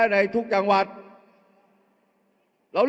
เอาข้างหลังลงซ้าย